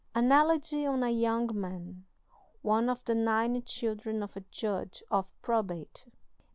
"An elegy on a young man, one of the nine children of a judge of probate."